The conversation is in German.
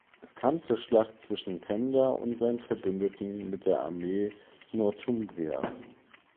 Es kam zur Schlacht zwischen Penda und seinen Verbündeten mit der Armee Northumbrias.